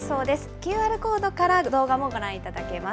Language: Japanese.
ＱＲコードから動画もご覧いただけます。